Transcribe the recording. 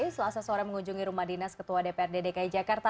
selasa sore mengunjungi rumah dinas ketua dprd dki jakarta